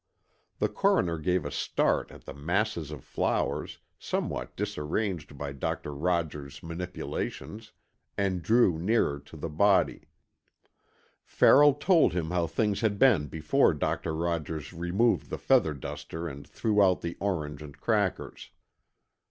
The Coroner gave a start at the masses of flowers, somewhat disarranged by Doctor Rogers's manipulations, and drew nearer to the body. Farrell told him how things had been before Doctor Rogers removed the feather duster and threw out the orange and crackers.